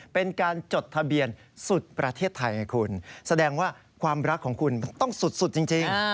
เป็นการจดทะเบียนสุดประเทศไทยไงคุณแสดงว่าความรักของคุณต้องสุดจริง